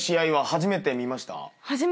初めて見ました。